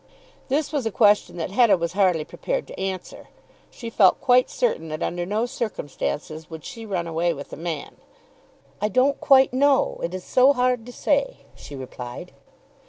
This was a question that Hetta was hardly prepared to answer. She felt quite certain that under no circumstances would she run away with a man. "I don't quite know. It is so hard to say," she replied.